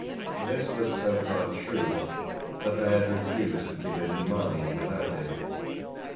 This was so far true that I had refused to give him mine without it.